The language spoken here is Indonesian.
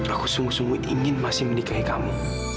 aku sungguh sungguh ingin masih menikahi kami